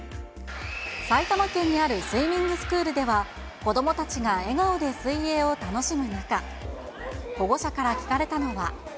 埼玉県にあるスイミングスクールでは、子どもたちが笑顔で水泳を楽しむ中、保護者から聞かれたのは。